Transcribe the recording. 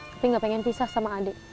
tapi gak pengen pisah sama adik